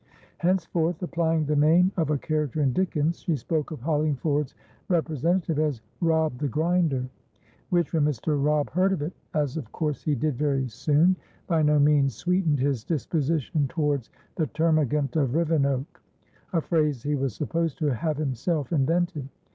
Henceforth, applying the name of a character in Dickens, she spoke of Hollingford's representative as Robb the Grinder; which, when Mr. Robb heard of it, as of course he did very soon, by no means sweetened his disposition towards "the termagant of Rivenoak"a phrase he was supposed to have himself invented.